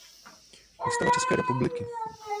Ústava České republiky.